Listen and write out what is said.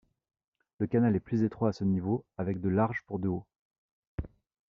Le canal est plus étroit à ce niveau, avec de large pour de haut.